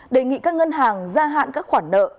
đề nghị các ngân hàng gia hạn các khoản nợ